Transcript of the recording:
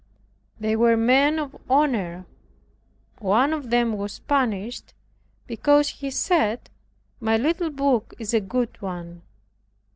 They were men of honor. One of them was banished, because he said my little book is a good one.